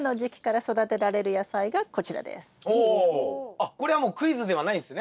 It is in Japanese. あっこれはもうクイズではないんすね。